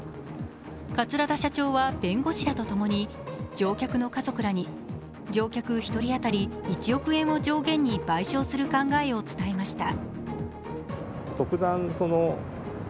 桂田社長は弁護士らとともに乗客の家族らに、乗客１人あたり１億円を上限に賠償する考えを伝えました。